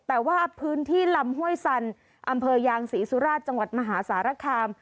แต่ว่าพื้นที่ลำห้วยสันอำเภอยางศรีสุราชจังหวัดมหาสารคาม